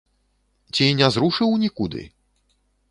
Ці не зрушыў нікуды?